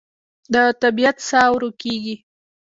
د طبیعت ساه ورو کېږي